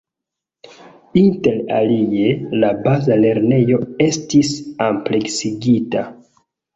Inter alie, la baza lernejo estis ampleksigita.